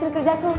iya ini kerja aku